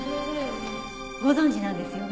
ご存じなんですよね？